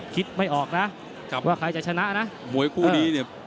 คิดไม่ออกนะว่าใครจะชนะนะมวยคู่นี้เนี่ย